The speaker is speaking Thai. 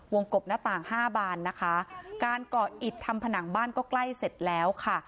กบหน้าต่างห้าบานนะคะการเกาะอิดทำผนังบ้านก็ใกล้เสร็จแล้วค่ะ